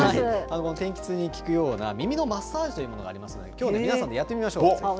この天気痛に効くような耳のマッサージというものがありますので、きょうは皆さんでやってみましょう。